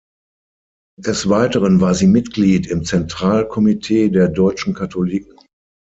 Des Weiteren war sie Mitglied im Zentralkomitee der deutschen Katholiken.